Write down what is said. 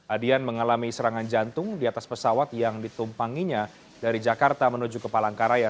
adian mengalami serangan jantung di atas pesawat yang ditumpanginya dari jakarta menuju ke palangkaraya